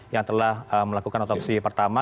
yang telah melakukan otopsi pertama